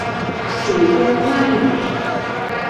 主攻蛙泳。